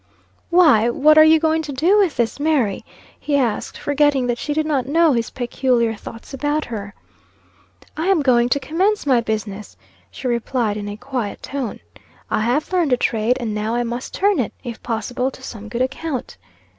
"Why, what are you going to do with this Mary?" he asked, forgetting that she did not know his peculiar thoughts about her. "I am going to commence my business," she replied in a quiet tone. "I have learned a trade, and now I must turn it, if possible, to some good account."